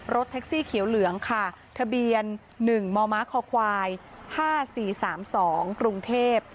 แท็กซี่เขียวเหลืองค่ะทะเบียน๑มมคคควาย๕๔๓๒กรุงเทพ